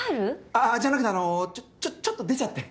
ああじゃなくてあのちょっと出ちゃって。